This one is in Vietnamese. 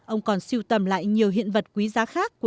ông còn siêu tầm lại nhiều hiện vật quý giá khác